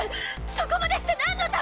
そこまでしてなんのために。